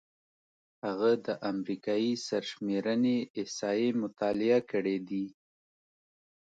هغه د امریکايي سرشمېرنې احصایې مطالعه کړې دي.